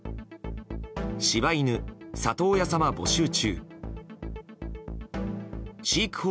柴犬、里親様募集中。